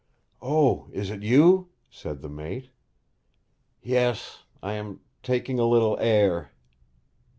'O, is it you?' said the mate. 'Yes. I am taking a little air.'